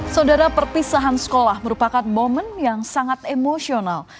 saudara perpisahan sekolah merupakan momen yang sangat emosional